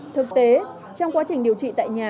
thực tế trong quá trình điều trị tại nhà